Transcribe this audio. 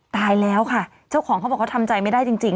ตายแล้วค่ะเจ้าของเขาบอกเขาทำใจไม่ได้จริง